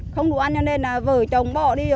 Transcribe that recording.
không đủ ăn cho nên là vợ chồng bỏ đi